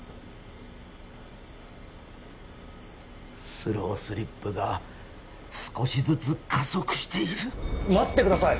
スロースリップが少しずつ加速している待ってください